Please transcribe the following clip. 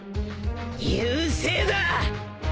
優勢だ！